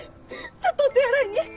ちょっとお手洗いに。